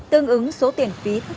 tương ứng số tiền phí thất thoát